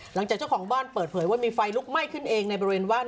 เจ้าของบ้านเปิดเผยว่ามีไฟลุกไหม้ขึ้นเองในบริเวณบ้าน